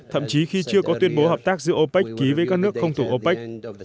thậm chí khi chưa có tuyên bố hợp tác giữa opec ký với các nước không tổ opec